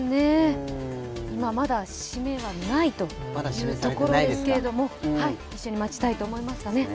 今まで指名がないというところですけど一緒に待ちたいと思います。